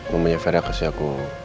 mamanya vera kasih aku